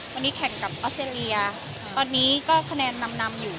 วันนี้แข่งกับออสเตรเลียตอนนี้ก็คะแนนนำอยู่